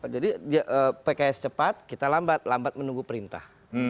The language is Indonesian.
jadi pks cepat kita lambat lambat menunggu perintah